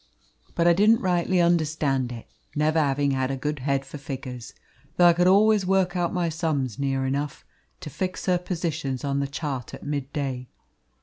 But I didn't rightly understand it, never having had a good head for figures, though I could always work out my sums near enough to fix her position on the chart at mid day.